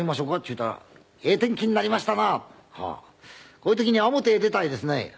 「こういう時には表へ出たいですね」